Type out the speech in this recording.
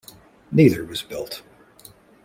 Neither was built.